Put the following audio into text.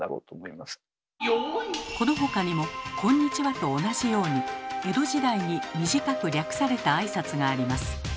この他にも「こんにちは」と同じように江戸時代に短く略された挨拶があります。